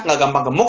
nggak gampang gemuk